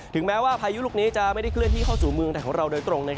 แม้ว่าพายุลูกนี้จะไม่ได้เคลื่อนที่เข้าสู่เมืองไทยของเราโดยตรง